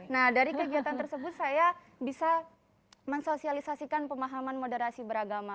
nah dari kegiatan tersebut saya bisa mensosialisasikan pemahaman moderasi beragama